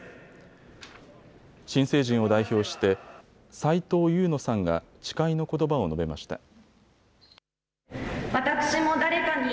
新成人を代表して齋藤夕羽希さんが誓いのことばを述べました。